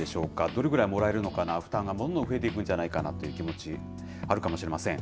どれぐらいもらえるのかな、負担がどんどん増えていくんじゃないかなという気持ち、あるかもしれません。